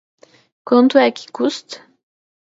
Quanto é que custa?